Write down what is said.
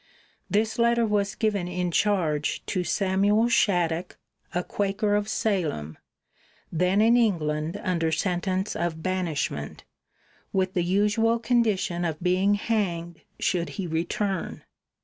This letter was given in charge to Samuel Shattuck, a Quaker of Salem, then in England under sentence of banishment, with the usual condition of being hanged should he return.